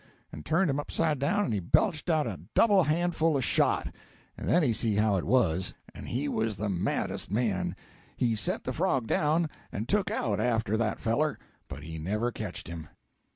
and turned him upside down, and he belched out a double handful of shot. And then he see how it was, and he was the maddest man he set the frog down and took out after that feeler, but he never ketched him.